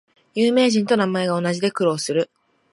有名人と名前が同じで苦労する